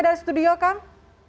dari studio kang